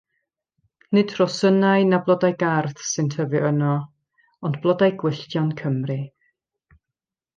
Nid rhosynnau na blodau gardd sy'n tyfu yno, ond blodau gwylltion Cymru.